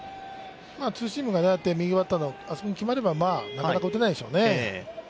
ツーシームが右バッター、あそこに決まればなかなか打てないでしょうね。